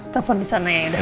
telpon disana ya